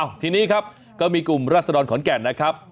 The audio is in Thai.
ทีนี้ครับก็มีกลุ่มราศดรขอนแก่นนะครับ